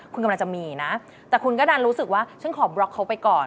คุณกำลังจะมีนะแต่คุณก็ดันรู้สึกว่าฉันขอบล็อกเขาไปก่อน